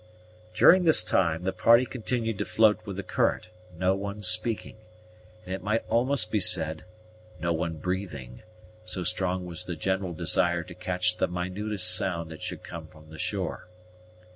During this time, the party continued to float with the current, no one speaking, and, it might almost be said, no one breathing, so strong was the general desire to catch the minutest sound that should come from the shore.